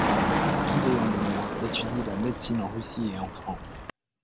Gideon Mer étudie la médecine en Russie et en France.